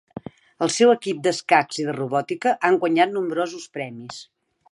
El seu equip d'escacs i de robòtica han guanyat nombrosos premis.